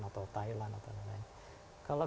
atau thailand atau lain lain kalau